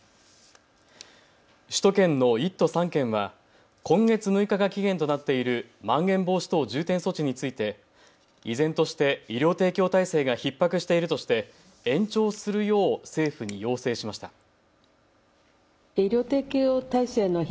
首都圏の１都３県は今月６日が期限となっているまん延防止等重点措置について依然として医療提供体制がひっ迫しているとして延長するよう政府に要請しました。